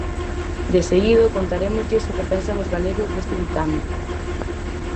Deseguido, contarémoslles o que pensan os galegos deste ditame.